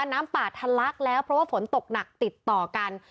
น้ำป่าทะลักแล้วเพราะว่าฝนตกหนักติดต่อกัน